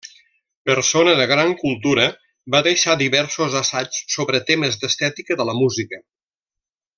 Persona de gran cultura, va deixar diversos assaigs sobre temes d'estètica de la música.